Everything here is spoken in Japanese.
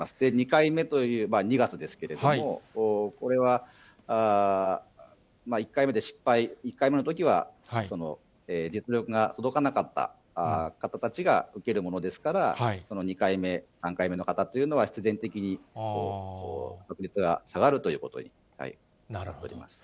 ２回目といえば２月ですけれども、これは１回目で失敗、１回目のときは実力が届かなかった方たちが受けるものですから、２回目、３回目の方というのは、必然的に確率が下がるということになります。